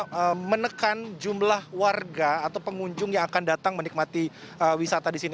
untuk menekan jumlah warga atau pengunjung yang akan datang menikmati wisata di sini